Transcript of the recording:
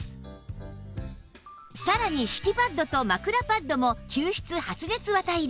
さらに敷きパッドと枕パッドも吸湿発熱綿入り